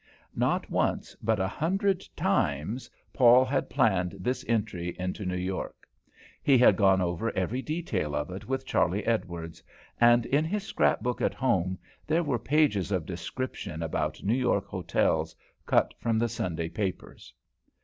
Not once, but a hundred times Paul had planned this entry into New York. He had gone over every detail of it with Charley Edwards, and in his scrap book at home there were pages of description about New York hotels, cut from the Sunday papers.